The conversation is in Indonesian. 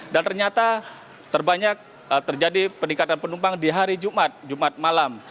dan ternyata terbanyak terjadi peningkatan penumpang di hari jumat jumat malam